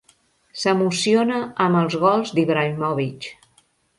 S'emociona amb els gols d'Ibrahimovic.